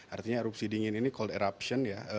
artinya erupsi dingin ini call eruption ya